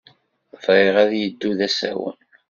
Bɣiɣ ad yeddu d asawen.